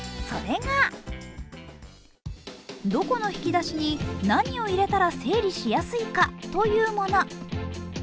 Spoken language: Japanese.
それがどこの引き出しに何を入れたら整理しやすいかというもの。